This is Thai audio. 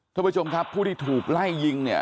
ท่านผู้ชมครับผู้ที่ถูกไล่ยิงเนี่ย